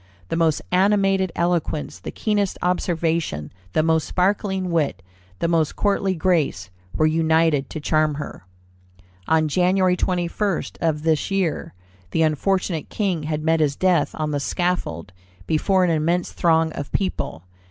The most animated eloquence, the keenest observation, the most sparkling wit, the most courtly grace, were united to charm her." On Jan. 21 of this year, the unfortunate King had met his death on the scaffold before an immense throng of people.